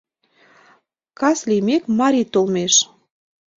Кас лиймек, Мари толмеш